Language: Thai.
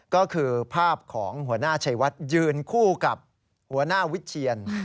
ก็คือภาพของหัวหน้าชัยวัดยืนคู่กับหัวหน้าวิเชียน